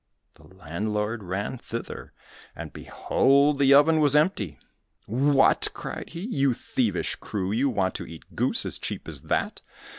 The landlord ran thither, and behold the oven was empty! "What!" cried he, "you thievish crew, you want to eat goose as cheap as that?